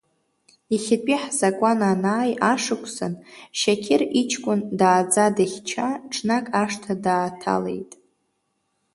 Иахьатәи ҳзакәан анааи ашықәсан, Шьақьыр иҷкәын дааӡа-дыхьча ҽнак ашҭа дааҭалеит.